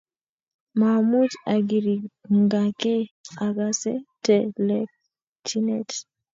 Maamuchi agiringakei agase telelchinet